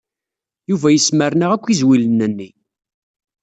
Yuba yesmerna akk izwilen-nni.